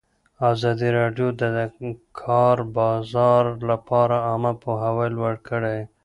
ازادي راډیو د د کار بازار لپاره عامه پوهاوي لوړ کړی.